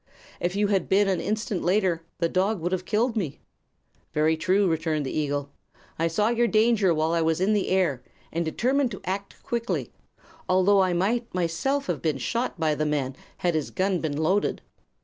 "If you had been an instant later, the dog would have killed me." "Very true," returned the eagle. "I saw your danger while I was in the air, and determined to act quickly, although I might myself have been shot by the man had his gun been loaded.